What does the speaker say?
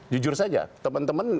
jujur saja teman teman